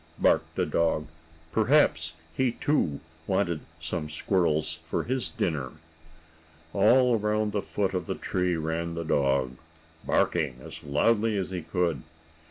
Bow wow!" barked the dog. Perhaps he, too, wanted some squirrels for his dinner. All around the foot of the tree ran the dog, barking as loudly as he could.